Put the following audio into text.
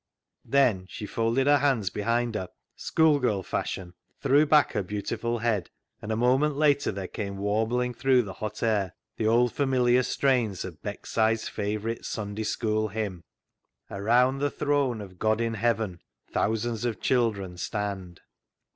Then she folded her hands behind her, school girl fashion, threw back her beautiful head, and a moment later there came warbling through the hot air the old familiar strains of Beckside's favourite Sunday School hymn —" Around the throne of God in heaven, Thousands of children stand."